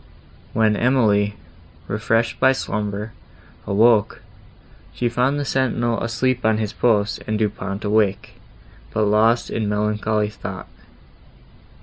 When Emily, refreshed by slumber, awoke, she found the sentinel asleep on his post and Du Pont awake, but lost in melancholy thought.